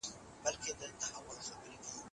استاد حبیبي د انسان ژوند په دریو دورو وېشلی دی.